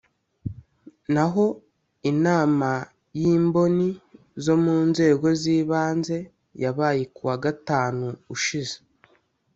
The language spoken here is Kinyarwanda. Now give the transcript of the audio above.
naho inama y’imboni zo mu nzego z’ibanze yabaye ku wa gatanu ushize